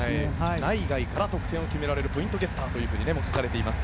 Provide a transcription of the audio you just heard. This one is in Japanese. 内外からポイントを決められるポイントゲッターと書かれていましたが。